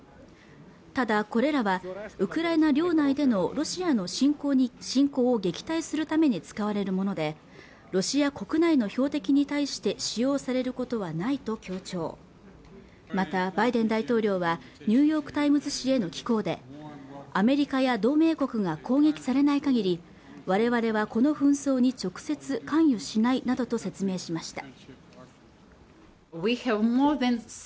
ただこれらはウクライナ領内でのロシアの侵攻を撃退するために使われるものでロシア国内の標的に対して使用されることはないと強調またバイデン大統領は「ニューヨーク・タイムズ」紙への寄稿でアメリカや同盟国が攻撃されない限り我々はこの紛争に直接関与しないなどと説明しました